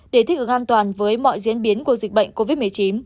để thích ứng an toàn với mọi diễn biến của dịch bệnh covid một mươi chín